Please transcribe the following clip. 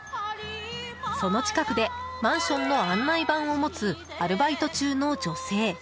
その近くでマンションの案内板を持つアルバイト中の女性。